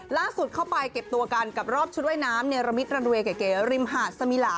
เข้าไปเก็บตัวกันกับรอบชุดว่ายน้ำเนรมิตรันเวย์เก๋ริมหาดสมิลา